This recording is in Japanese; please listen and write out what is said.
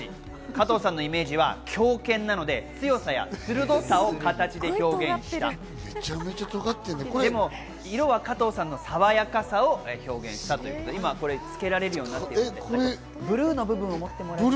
加藤さんのイメージは狂犬なので強さや鋭さを形で表現した、色は加藤さんの爽やかさを表現したということで、今付けられるようになっています。